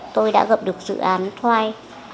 tôi đã gặp được dự án thoai